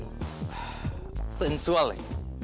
dan sensual ini